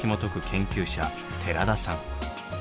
研究者寺田さん。